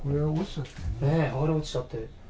これが落ちちゃって。